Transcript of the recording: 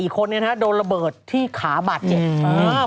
๔คนโดนระเบิดที่ขาบาดเจ็บ